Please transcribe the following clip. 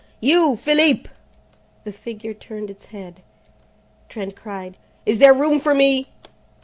"You, Philippe!" The figure turned its head. Trent cried, "Is there room for me?"